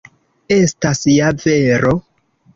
Estas ja vero.